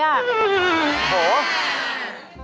โอ้โห